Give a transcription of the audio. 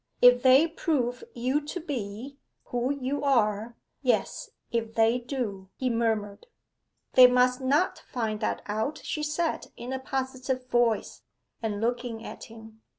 'If they prove you to be who you are.... Yes, if they do,' he murmured. 'They must not find that out,' she said, in a positive voice, and looking at him.